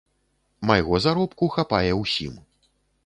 Майго заробку хапае ўсім.